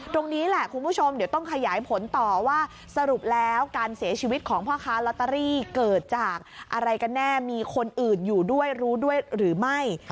ตรงนี้แหละคุณผู้ชมเดี๋ยวต้องขยายผลต่อว่าสรุปแล้วการเสียชีวิตของพ่อค้าลอตเตอรี่เกิดจากอะไรกันแน่มีคนอื่นอยู่ด้วยรู้ด้วยหรือไม่